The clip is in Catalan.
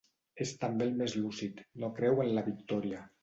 És també el més lúcid, no creu en la victòria.